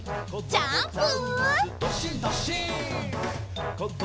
ジャンプ！